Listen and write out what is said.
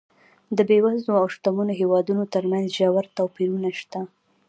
د بېوزلو او شتمنو هېوادونو ترمنځ ژور توپیرونه شته.